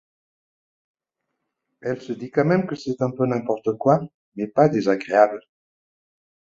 Elle se dit quand même que c'est un peu n'importe quoi, mais pas désagréable.